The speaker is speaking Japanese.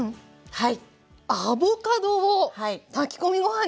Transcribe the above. はい。